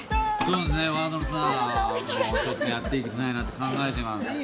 そうですねワールドツアーもやっていきたいなって考えてます。